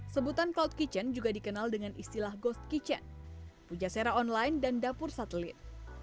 sebutan cloud kitchen juga dikenal dengan istilah ghost kitchen pujasera online dan dapur satelit